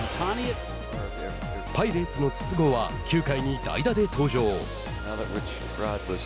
パイレーツの筒香は９回に代打で登場。